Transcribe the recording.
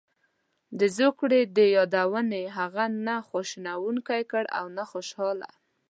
د زوکړې دې یادونې هغه نه خواشینی کړ او نه خوشاله.